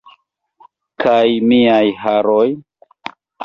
Kaj miaj haroj?